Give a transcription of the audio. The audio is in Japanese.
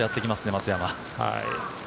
松山。